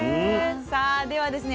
さあではですね